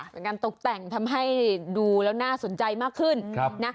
เป็นการตกแต่งทำให้ดูแล้วน่าสนใจมากขึ้นนะ